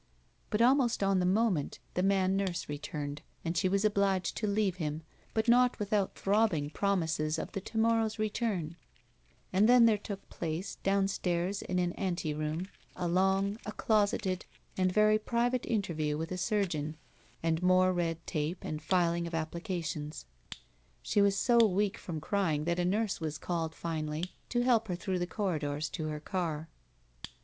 But, ahnost on the moment, the man nurse re turned and she was obliged to leave him, but not without throbbing promises of the to morrow's return, and then there took place, downstairs in an ante room, a long, a closeted, and very private interview with a surgeon and more red tape and filing of appli 90 BACK PAY cations. She was so , weak from oying that a nurse was called finally to help her through the corridors to her car.